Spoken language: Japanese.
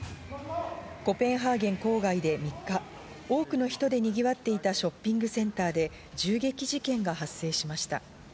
コペンハーゲン郊外で３日、多くの人でにぎわっていたショッピングセンターで銃撃事件が発生しました。